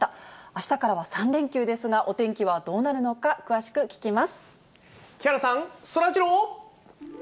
あしたからは３連休ですが、お天気はどうなるのか、詳しく聞木原さん、そらジロー。